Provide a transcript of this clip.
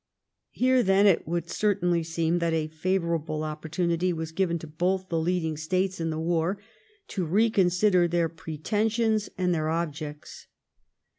Here, then, it would certainly seem that a favourable opportunity was given to both the leading States in the war, to re consider their pretensions and their objects.